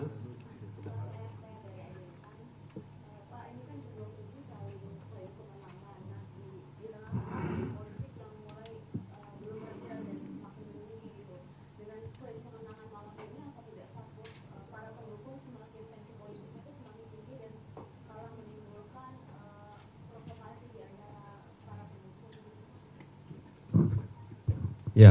dengan skurit permenangan wangkirnya